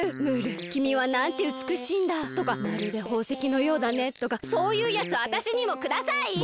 「ムールきみはなんてうつくしいんだ」とか「まるでほうせきのようだね」とかそういうやつあたしにもください！